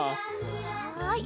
はい。